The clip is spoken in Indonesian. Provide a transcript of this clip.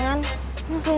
kena kpca soal kan